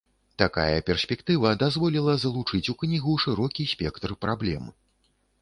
Такая перспектыва дазволіла залучыць у кнігу шырокі спектр праблем.